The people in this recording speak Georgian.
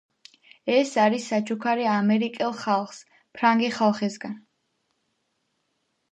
ეს არის საჩუქარი ამერიკელ ხალხს, ფრანგი ხალხისგან.